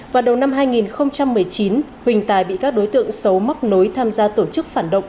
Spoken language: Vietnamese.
vào đầu năm hai nghìn một mươi chín huỳnh tài bị các đối tượng xấu mắc nối tham gia tổ chức phản động